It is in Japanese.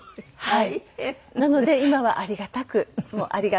はい。